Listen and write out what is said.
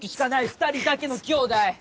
２人だけの兄妹